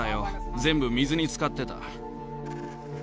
全部水に漬かってた。